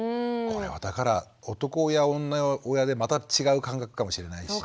これはだから男親女親でまた違う感覚かもしれないし。